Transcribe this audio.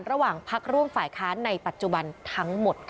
ระหว่างพักร่วมฝ่ายค้านในปัจจุบันทั้งหมดค่ะ